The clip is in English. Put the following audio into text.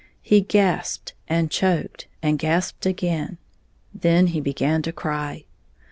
He gasped and choked and gasped again. Then he began to cry.